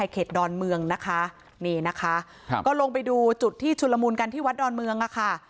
ก็ลงไปดูจุดที่ชุนละมูลกันที่วัดดอนเมือง